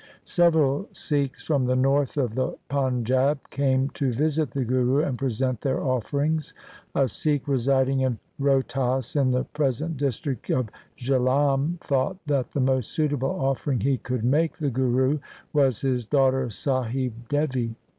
Several Sikhs from the north of the Panjab came to visit the Guru and present their offerings. A Sikh residing in Rohtas in the present district of Jihlam 1 thought that the most suitable offering he could make the Guru was his daughter Sahib Devi.